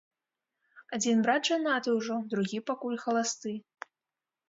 Адзін брат жанаты ўжо, другі пакуль халасты.